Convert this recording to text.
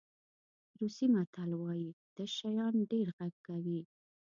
روسي متل وایي تش شیان ډېر غږ کوي.